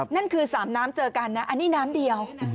นั่นคือสามน้ำเจอกันนะอันนี้น้ำเดียว